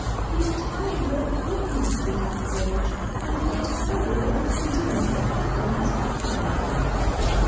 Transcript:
"The entire Walk witnessed the outrage, and the entire Walk is indignant that nothing has come of it."